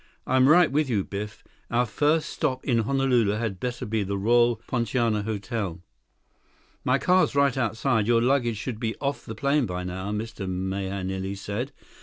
"I'm right with you, Biff. Our first stop in Honolulu had better be the Royal Poinciana Hotel." "My car's right outside. Your luggage should be off the plane by now," Mr. Mahenili said.